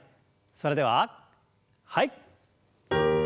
それでははい。